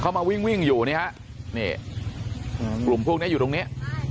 เขามาวิ่งอยู่นะครับกลุ่มพวกนี้อยู่ตรงนี้